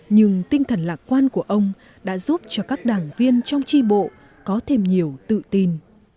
nhưng tinh thần lạc quan của ông đã giúp cho các đảng viên trong tri bộ có thêm nhiều tự tin